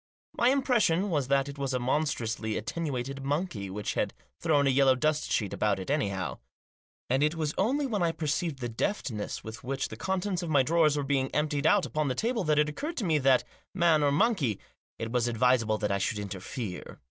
My impression was that it was a monstrously attenuated monkey, which had thrown a yellow dust sheet about it anyhow. And it was only when I perceived the deftness with which the contents of my drawers were being emptied out upon the table that it occurred to me that, man or monkey, it was advisable I should interfere.